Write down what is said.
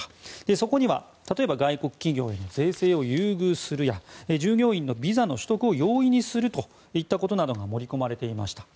そこには例えば外国企業の税制を優遇するや従業員のビザの所得を容易にするといったことなどが盛り込まれていました。